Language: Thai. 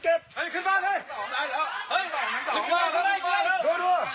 เฮ้ยออกข้างหลัง